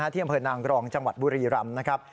เที่ยงเผินนางรองจังหวัดบุรีรำนะครับ